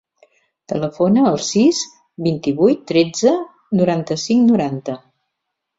Telefona al sis, vint-i-vuit, tretze, noranta-cinc, noranta.